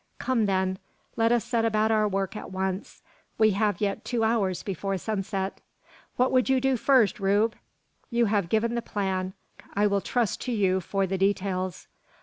Come, then! Let us set about our work at once. We have yet two hours before sunset. What would you do first, Rube? You have given the plan: I will trust to you for the details."